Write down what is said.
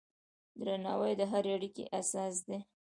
درناوی د هرې اړیکې اساس دی.